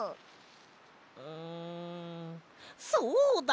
んそうだ！